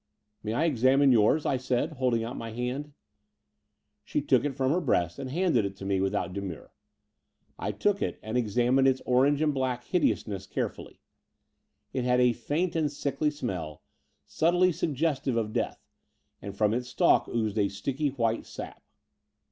"May I examine yours?" I said, holding out my hand. She took it from her breast and handed it to me without demur: and I took it and examined its orange and black hideousness carefully. It had a faint and sickly smell, subtly suggestive of death, and from its stalk oozed a sticky white sap.